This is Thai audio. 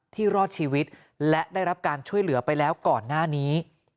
รอดชีวิตและได้รับการช่วยเหลือไปแล้วก่อนหน้านี้